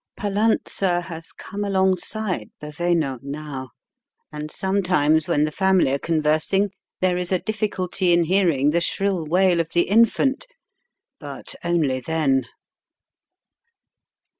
Pallanza has come alongside Baveno now, and sometimes when the family are conversing there is a difficulty in hearing the shriU wail of the infant. But only then.